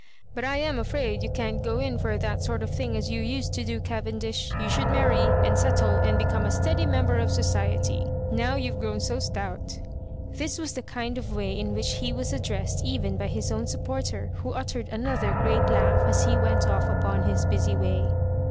" But I am afraid you can't go in for that sort of thing as you used to do. Cavendish. You should marry, and settle, and become a steady member of society, now you've grown so stout." This was the kind of way in which he was addressed even by his own supporter, who uttered another great laugh as he went off upon his busy way.